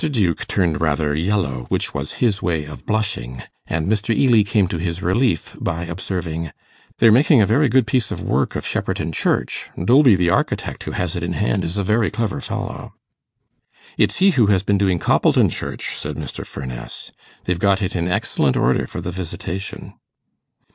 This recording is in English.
Duke turned rather yellow, which was his way of blushing, and Mr. Ely came to his relief by observing, 'They're making a very good piece of work of Shepperton Church. Dolby, the architect, who has it in hand, is a very clever fellow.' 'It's he who has been doing Coppleton Church,' said Mr. Furness. 'They've got it in excellent order for the visitation.